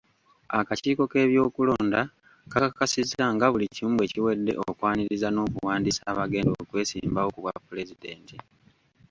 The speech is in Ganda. Akakiiko k'ebyokulonda kakakasizza nga buli kimu bwe kiwedde okwaniriza n'okuwandiisa abagenda okwesimbawo ku bwapulezidenti